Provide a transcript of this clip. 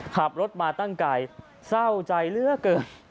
ขับรถมาตั้งไกลเศร้าใจเหลือเกิน